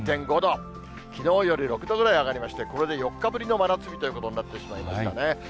きのうより６度ぐらい上がりまして、これで４日ぶりの真夏日ということになってしまいましたね。